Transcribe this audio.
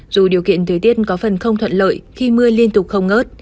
dù điều kiện thời tiết có phần không thuận lợi khi mưa liên tục không ngớt